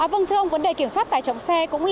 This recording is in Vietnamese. vâng thưa ông vấn đề kiểm soát tài trọng xe